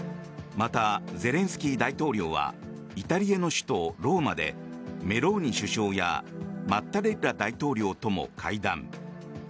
また、ゼレンスキー大統領はイタリアの首都ローマでメローニ首相やマッタレッラ大統領とも会談。